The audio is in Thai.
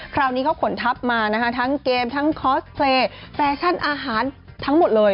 คราวนี้เขาขนทัพมานะคะทั้งเกมทั้งคอสเพลย์แฟชั่นอาหารทั้งหมดเลย